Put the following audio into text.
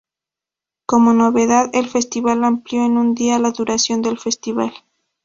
Como novedad, el festival amplió en un día la duración del festival.